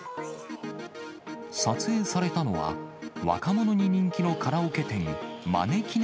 撮影されたのは、若者に人気のカラオケ店、まねきね